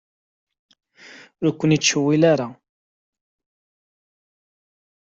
Ur ken-nettcewwil ara.